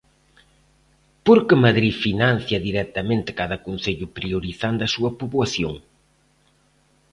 Porque Madrid financia directamente cada concello priorizando a súa poboación.